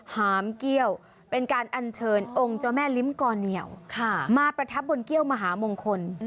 หามเกี้ยวเป็นการอัญเชิญองค์เจ้าแม่ลิ้มกอเหนียวมาประทับบนเกี้ยวมหามงคล